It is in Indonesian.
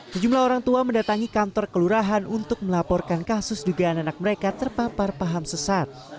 sejumlah orang tua mendatangi kantor kelurahan untuk melaporkan kasus dugaan anak mereka terpapar paham sesat